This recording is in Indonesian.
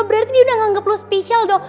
berarti dia udah anggap lu spesial dong